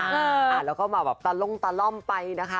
อ่าแล้วก็มาแบบตาล่มไปนะคะ